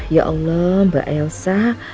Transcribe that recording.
ya allah mbak elsa